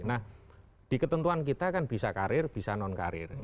nah di ketentuan kita kan bisa karir bisa non karir